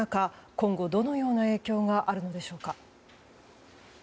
今後、どのような影響があるのでしょうか。